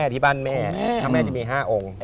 ที่บ้านแม่ถ้าแม่จะมี๕องค์